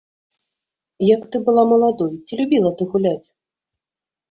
Як ты была маладой, ці любіла ты гуляць?